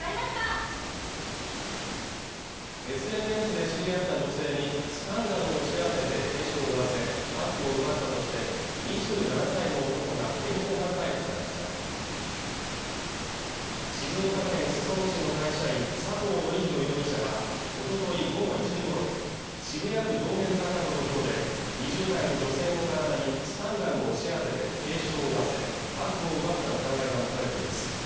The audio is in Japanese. ＳＮＳで知り合った女性にスタンガンを押し当てて軽傷を負わせバッグを奪ったとして２７歳の男が現行犯逮捕されました静岡県裾野市の会社員佐藤紀裕容疑者はおととい午後１時ごろ渋谷区道玄坂の路上で２０代の女性の体にスタンガンを押し当てて軽傷を負わせバッグを奪った疑いが持たれています